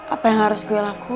apa yang harus gue lakukan